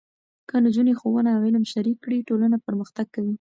که نجونې ښوونه او علم شریک کړي، ټولنه پرمختګ کوي.